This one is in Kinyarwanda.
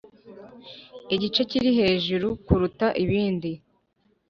igice kiri hejuru kuruta ibindi.